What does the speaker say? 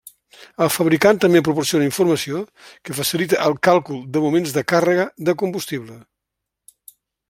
El fabricant també proporciona informació que facilita el càlcul de moments de càrrega de combustible.